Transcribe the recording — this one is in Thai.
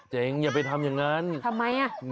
อย่าไปทำอย่างนั้นทำไมอ่ะ